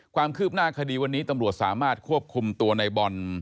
ความคืบหน้าคดีวันนี้ตำรวจสามารถควบคุมตัวในบอล